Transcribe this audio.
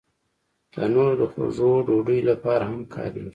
تنور د خوږو ډوډیو لپاره هم کارېږي